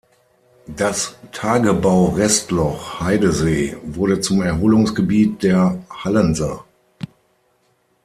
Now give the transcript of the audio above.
Das Tagebaurestloch Heidesee wurde zum Erholungsgebiet der Hallenser.